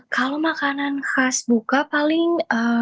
kalau makanan khas buka paling